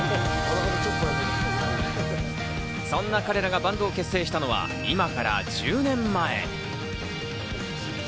そんな彼らがバンドを結成したのは今から１０年前。